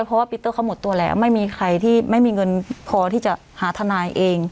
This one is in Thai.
เพราะว่าปีเตอร์เขาหมดตัวแล้วไม่มีใครที่ไม่มีเงินพอที่จะหาทนายเอง